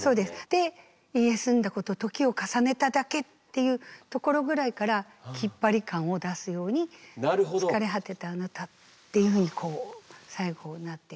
で「いいえすんだこと時を重ねただけ」っていうところぐらいからきっぱり感を出すように「疲れ果てたあなた」っていうふうに最後なっていく。